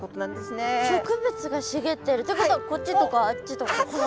植物が茂ってるってことはこっちとかあっちとかこのぐらいとか？